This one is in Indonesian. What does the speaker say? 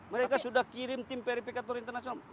mereka sudah kirim tim verifikator internasional